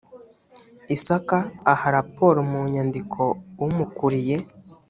isaka aha raporo mu nyandiko umukuriye